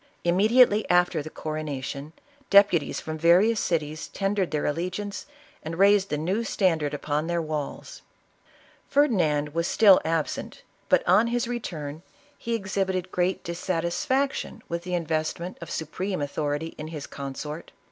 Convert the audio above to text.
Immediately after the coronation, deputies from various cities tendered their allegiance and raised the new htundard upon their walls. Ferdinand was still absent, but on his return he ex 4 74 ISABELLA OF CASTILE. liibited great dissatisfaction Avith the investment of su preinc authority in bis consort.